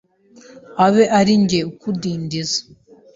Abe ari njye ukudindiza